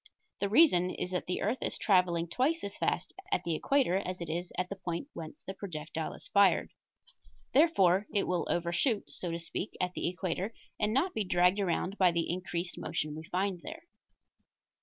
The reason is that the earth is traveling twice as fast at the equator as it is at the point whence the projectile is fired. Therefore it will overshoot, so to speak, at the equator, and not be dragged around by the increased motion we find there.